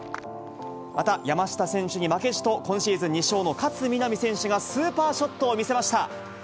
また、山下選手に負けじと、今シーズン２勝の勝みなみ選手がスーパーショットを見せました。